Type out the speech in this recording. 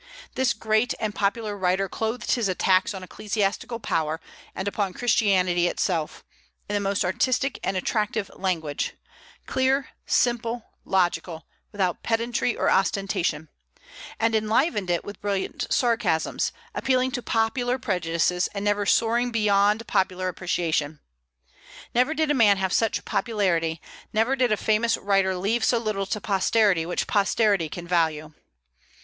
This great and popular writer clothed his attacks on ecclesiastical power, and upon Christianity itself, in the most artistic and attractive language, clear, simple, logical, without pedantry or ostentation, and enlivened it with brilliant sarcasms, appealing to popular prejudices, and never soaring beyond popular appreciation. Never did a man have such popularity; never did a famous writer leave so little to posterity which posterity can value.